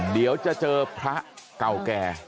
เดี๋ยวจะเจอพระเก่าแก่